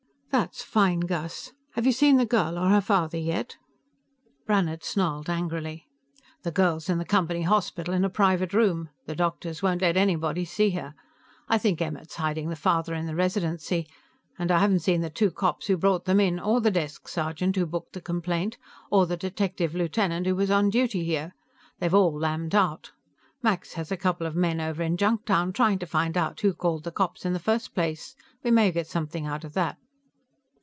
"That's fine, Gus! Have you seen the girl or her father yet?" Brannhard snarled angrily. "The girl's in the Company hospital, in a private room. The doctors won't let anybody see her. I think Emmert's hiding the father in the Residency. And I haven't seen the two cops who brought them in, or the desk sergeant who booked the complaint, or the detective lieutenant who was on duty here. They've all lammed out. Max has a couple of men over in Junktown, trying to find out who called the cops in the first place. We may get something out of that."